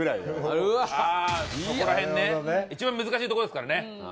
一番難しいとこですからね。